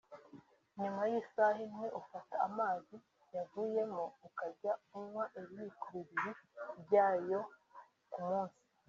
nyuma y’isaha imwe ufata amazi yavuyemo ukajya unywa ibiyiko bibiri byayo ku munsi